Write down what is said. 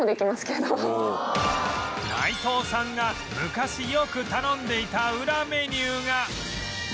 内藤さんが昔よく頼んでいたウラメニューが